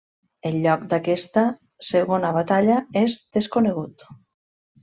El lloc d'aquesta segona batalla és desconegut.